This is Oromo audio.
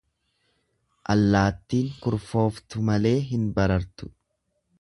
Allaattiin kurfooftu malee hin barartu.